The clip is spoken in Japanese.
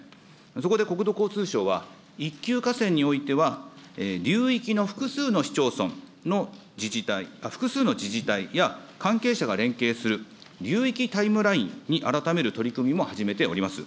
そこで国土交通省は、一級河川においては、流域の複数の市町村の自治体、複数の自治体や、関係者が連携する流域タイムラインに改める取り組みも始めております。